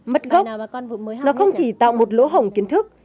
mất gốc nó không chỉ tạo một lỗ hổng kiến thức